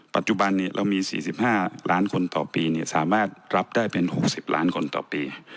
ปัจจุบันเรามี๔๕ล้านคนต่อปีสามารถรับได้เป็น๖๐ล้านคนต่อปี